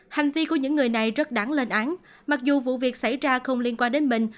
hành vi của những người này rất đáng lên án mặc dù vụ việc xảy ra không liên quan đến mình